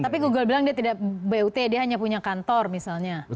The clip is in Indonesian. tapi google bilang dia tidak but dia hanya punya kantor misalnya